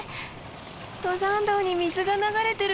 登山道に水が流れてる！